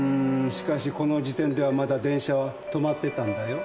しかしこの時点ではまだ電車は止まってたんだよ。